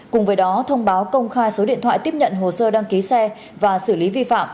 cùng với đó thông báo công khai số điện thoại tiếp nhận hồ sơ đăng ký xe và xử lý vi phạm